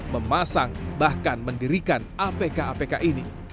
memasang bahkan mendirikan apk apk ini